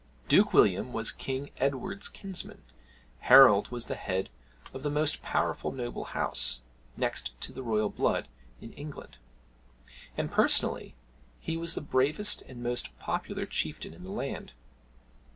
Duke William was King Edward's kinsman. Harold was the head of the most powerful noble house, next to the royal blood, in England; and personally, he was the bravest and most popular chieftain in the land.